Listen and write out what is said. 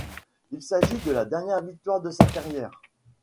Il s'agit de la dernière victoire de sa carrière.